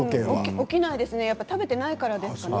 起きないですね食べていないからですかね。